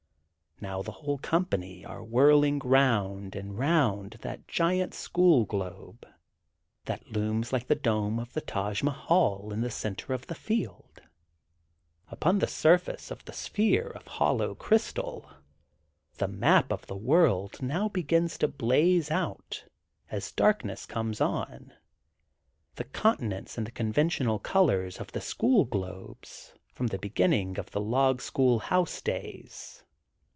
Now the whole company are whirling round and round that giant school globe that looms like the dome of the Taj Mahal in the center of the field. Upon the surface of the sphere of hollow crystal, the map of the world now begins to blaze out as darkness comes on, the continents in the conventional colors of the school globes from the beginning of the log school house days.